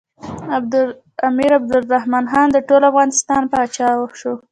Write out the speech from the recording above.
امیر عبدالرحمن خان د ټول افغانستان پاچا شو.